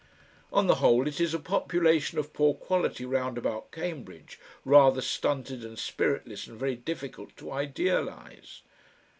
On the whole it is a population of poor quality round about Cambridge, rather stunted and spiritless and very difficult to idealise.